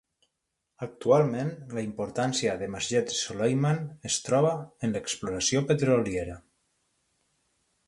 Actualment, la importància de Masjed Soleyman es troba en l'exploració petroliera.